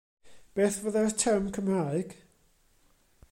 Beth fyddai'r term Cymraeg?